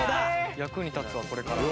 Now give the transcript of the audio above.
役に立つわこれから。